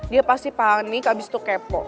dia pasti panik abis itu kepo